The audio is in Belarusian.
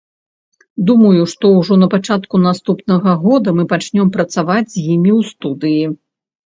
Думаю, што ўжо на пачатку наступнага года мы пачнём працаваць з імі ў студыі.